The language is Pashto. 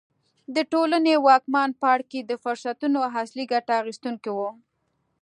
د ټولنې واکمن پاړکي د فرصتونو اصلي ګټه اخیستونکي وو.